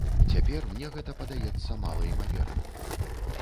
Цяпер мне гэта падаецца малаімаверным.